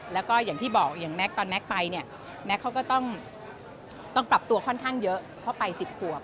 แล้วก็อย่างที่บอกอย่างแก๊กตอนแม็กซ์ไปเนี่ยแม็กซเขาก็ต้องปรับตัวค่อนข้างเยอะเพราะไป๑๐ขวบ